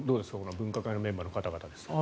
分科会のメンバーの方々です。